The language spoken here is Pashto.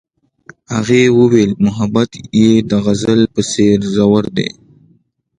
هغې وویل محبت یې د غزل په څېر ژور دی.